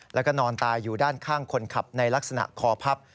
แล้วก็นอนตายอยู่ด้านข้างคนขับในลักษณะคอพับ